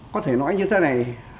có thể nói như thế này